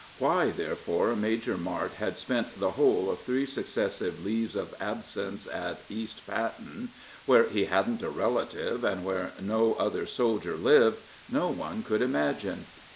Why, therefore, Major Martt had spent the whole of three successive leaves of absence at East Patten, where he hadn't a relative, and where no other soldier lived, no one could imagine.